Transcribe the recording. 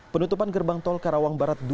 penutupan gerbang tol karawang barat dua